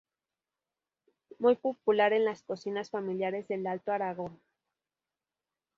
Muy popular en las cocinas familiares del Alto Aragón.